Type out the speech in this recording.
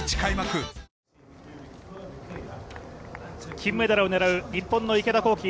金メダルを狙う日本の池田向希。